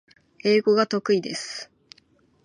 英語が得意です